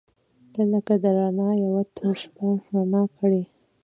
• ته لکه د رڼا یوه توره شپه رڼا کړې.